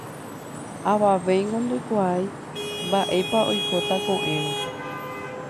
Avavéngo ndoikuaái mba'épa oikóta ko'ẽrõ.